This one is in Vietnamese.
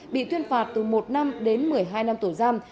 bị tuyên phạt từ một năm đến một mươi hai năm tù giam